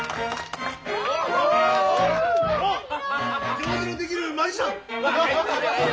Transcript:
おっ行司のできるマジシャン！